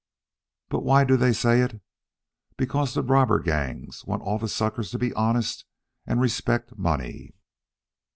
But why do they say it. Because the robber gangs want all the suckers to be honest and respect money.